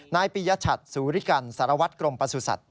นายปียชัตริ์สุริกัณฑ์สารวัติกรมประสุทธิ์ศัตริย์